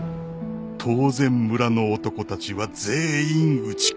当然村の男たちは全員打ち首。